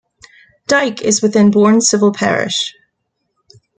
Dyke is within Bourne civil parish.